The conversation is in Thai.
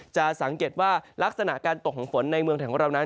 จะสังเกตว่าลักษณะการตกของฝนในเมืองไทยของเรานั้น